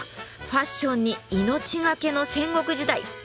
ファッションに命懸けの戦国時代。